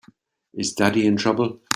Is Daddy in trouble?